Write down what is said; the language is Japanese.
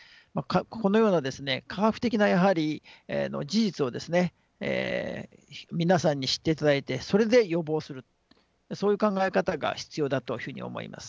このような科学的な事実を皆さんに知っていただいてそれで予防するそういう考え方が必要だというふうに思います。